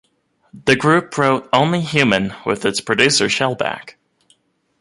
The group wrote "Only Human" with its producer Shellback.